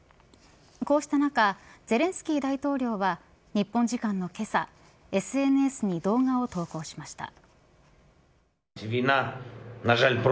こうした中ゼレンスキー大統領は日本時間のけさＳＮＳに動画を投稿しました。